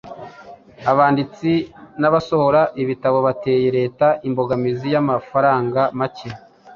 Abanditsi n’abasohora ibitabo batuye Leta imbogamizi y’amafaranga make